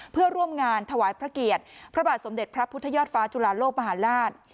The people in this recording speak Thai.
เพื่อร่วมงานถวายพระเกียรติพระบาทสมเด็จพระพุทธยอดฟ้าจุลาโลกมหาลาศ